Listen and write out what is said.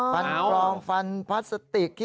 ฟันปลอมฟันพลาสติก